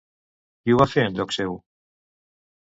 Qui ho va fer en lloc seu?